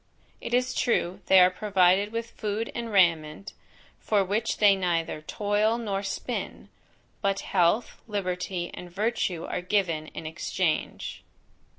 It is true, they are provided with food and raiment, for which they neither toil nor spin; but health, liberty, and virtue are given in exchange.